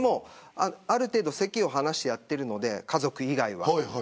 ある程度、席を離してやっているので家族以外は。